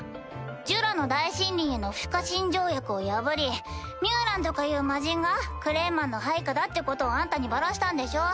ジュラの大森林への不可侵条約を破りミュウランとかいう魔人がクレイマンの配下だってことをあんたにバラしたんでしょ？